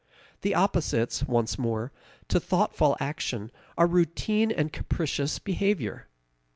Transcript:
The opposites, once more, to thoughtful action are routine and capricious behavior.